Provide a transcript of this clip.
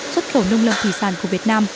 xuất khẩu nông lâm thủy sản của việt nam